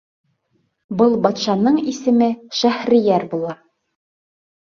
Был батшаның исеме Шәһрейәр була.